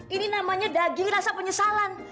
ini namanya daging rasa penyesalan